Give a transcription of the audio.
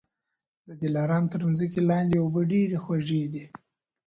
د دلارام تر مځکې لاندي اوبه ډېري خوږې دي